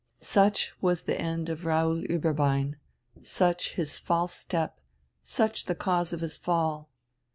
Such was the end of Raoul Ueberbein, such his false step, such the cause of his fall.